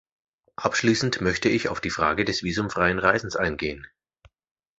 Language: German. Abschließend möchte ich auf die Frage des visumfreien Reisens eingehen.